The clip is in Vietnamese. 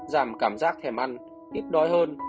giảm cảm giác thèm ăn ít đói hơn